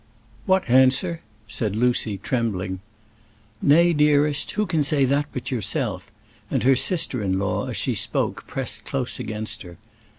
"What answer?" said Lucy, trembling. "Nay, dearest; who can say that but yourself?" and her sister in law, as she spoke, pressed close against her.